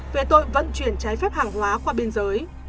về tội vận chuyển trái phép hàng hóa qua biên giới